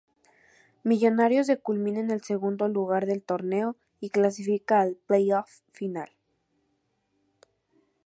Millonarios culmina en el segundo lugar del torneo y clasifica al play-off final.